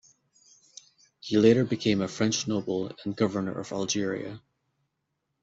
He later became a French noble and Governor of Algeria.